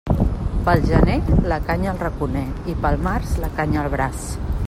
Pel gener la canya al raconer i pel març la canya al braç.